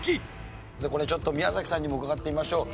これちょっと宮崎さんにも伺ってみましょう。